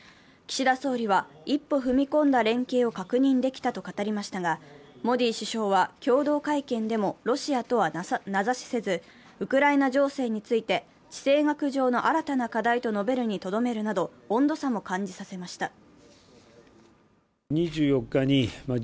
岸田総理は、一歩踏み込んだ連携を確認できたと語りましたがモディ首相は共同会見でもロシアとは名指しせず、ウクライナ情勢について地政学上の新たな課題と述べるにとどめるなど、温度差も感じさせました。